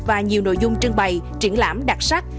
và nhiều nội dung trưng bày triển lãm đặc sắc